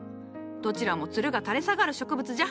どちらもツルが垂れ下がる植物じゃ。